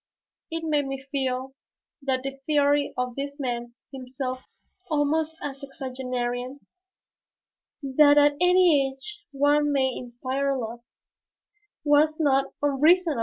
It made me feel that the theory of this man, himself almost a sexagenarian, that at any age one may inspire love, was not unreasonable!